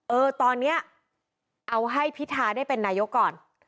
เออตอนนี้เอาให้พิทาได้เป็นนายกก่อน